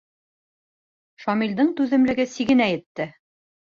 Шамилдың түҙемлеге сигенә етте.